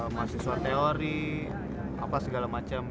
mahasiswa teori apa segala macam